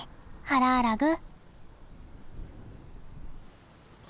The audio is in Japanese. ハラアラグ。